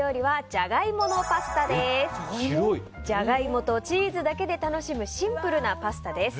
ジャガイモとチーズだけで楽しむシンプルなパスタです。